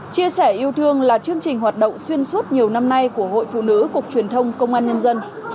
chia sẻ yêu thương là chương trình hoạt động xuyên suốt nhiều năm nay của hội phụ nữ cục truyền thông công an nhân dân